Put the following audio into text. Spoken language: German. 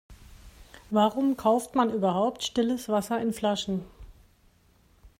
Warum kauft man überhaupt stilles Wasser in Flaschen?